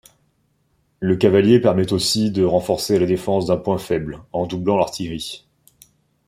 Le cavalier permet aussi de renforcer la défense d'un point faible, en doublant l'artillerie.